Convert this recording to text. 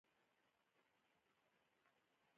د مخکې له مخکې پوهېدو فرضیه مه جوړوئ.